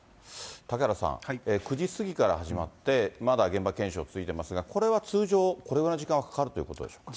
嵩原さん、９時過ぎから始まって、まだ現場検証続いてますが、これは通常、このぐらいの時間はかかるということでしょうか。